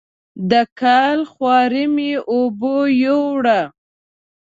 د کال خواري مې اوبو یووړه.